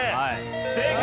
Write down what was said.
正解。